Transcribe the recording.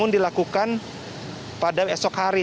dilakukan pada esok hari